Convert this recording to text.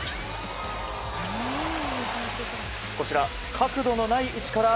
こちら、角度のない位置から